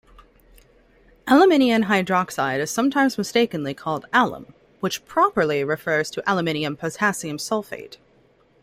Aluminium hydroxide is sometimes mistakenly called "alum", which properly refers to aluminium potassium sulfate.